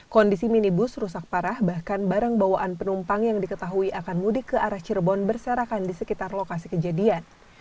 kondisi minibus rusak parah bahkan barang bawaan penumpang yang diketahui akan mudik ke arah cirebon berserakan di sekitar lokasi kejadian